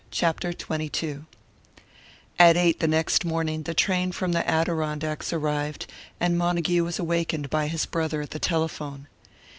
CHAPTER XXII At eight the next morning the train from the Adirondacks arrived, and Montague was awakened by his brother at the telephone.